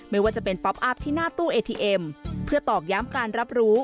ไม่ว่าจะเป็นป๊อปอัพที่หน้าตู้เอทีเอ็มเพื่อตอกย้ำการรับรู้